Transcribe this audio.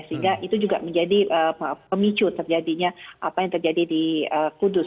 sehingga itu juga menjadi pemicu terjadinya apa yang terjadi di kudus